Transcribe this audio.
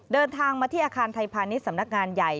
เดินทางมาที่อาคารไทยพาณิชย์สำนักงานใหญ่